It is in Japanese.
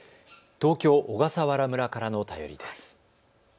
東京小笠原村からの便りです。